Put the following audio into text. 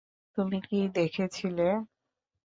তুমি কি দেখেছিলে?